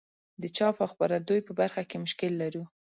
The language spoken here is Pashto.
د چاپ او خپرندوی په برخه کې مشکل لرو.